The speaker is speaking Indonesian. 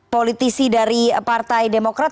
politisi dari partai demokrat